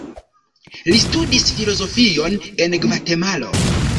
Li studis filozofion en Gvatemalo.